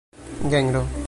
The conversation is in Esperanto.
genro